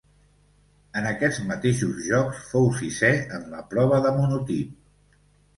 En aquests mateixos Jocs fou sisè en la prova de monotip.